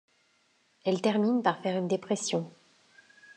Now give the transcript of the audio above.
Elle termine par faire une dépression.